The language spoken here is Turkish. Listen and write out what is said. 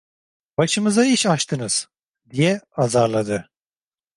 "Başımıza iş açtınız!" diye azarladı..